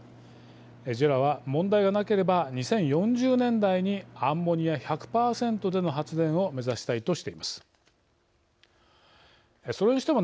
ＪＥＲＡは、問題がなければ２０４０年代にアンモニア１００％での発電を目指したいとしています。